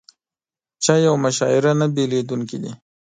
چای او مشاعره نه بېلېدونکي دي.